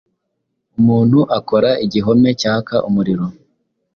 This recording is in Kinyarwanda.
Umuntu akora igihome cyaka umuriro